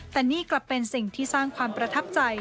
แต่นี่กลับเป็นสิ่งที่สร้างความประทับใจ